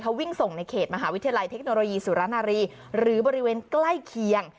เขาวิ่งส่งในเขตมหาวิทยาลัยเทคโนโลยีสุรนารีหรือบริเวณใกล้เคียง